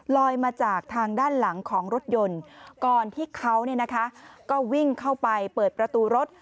มาจากทางด้านหลังของรถยนต์ก่อนที่เขาก็วิ่งเข้าไปเปิดประตูรถ